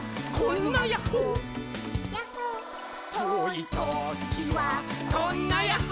「とおいときはこんなやっほ」